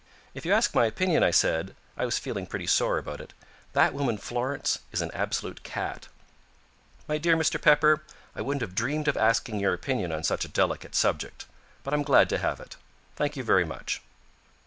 "If you ask my opinion," I said I was feeling pretty sore about it "that woman Florence is an absolute cat." "My dear Mr. Pepper, I wouldn't have dreamed of asking your opinion on such a delicate subject. But I'm glad to have it. Thank you very much.